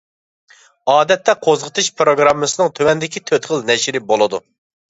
ئادەتتە قوزغىتىش پىروگراممىسىنىڭ تۆۋەندىكى تۆت خىل نەشرى بولىدۇ.